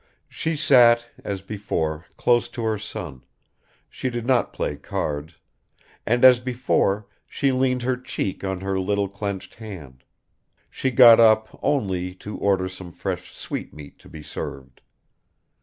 She sat, as before, close to her son she did not play cards and as before she leaned her cheek on her little clenched hand; she got up only to order some fresh sweetmeat to be served.